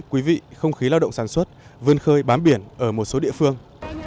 quý vị không khí lao động sản xuất vươn khơi bám biển ở một số địa phương